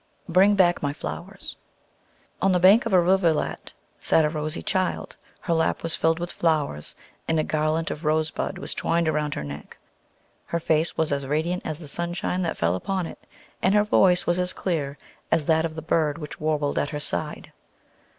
"BRING BACK MY FLOWERS." On the bank of a rivulet sat a rosy child. Her lap was filled with flowers, and a garland of rose buds was twined around her neck. Her face was as radiant as the sunshine that fell upon it, and her voice was as clear as that of the bird which warbled at her side.